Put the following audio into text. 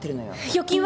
預金は？